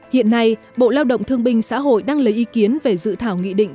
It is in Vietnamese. hiện nay bộ lao động thương binh xã hội đang lấy ý kiến về dự thảo nghị định